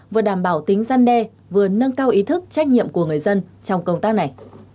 vừa đảm bảo tính gian đe vừa nâng cao ý thức trách nhiệm của người dân trong công tác này